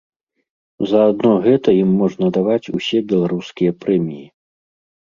За адно гэта ім можна даваць усе беларускія прэміі!